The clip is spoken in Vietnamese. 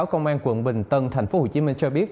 công an quận bình tân tp hcm cho biết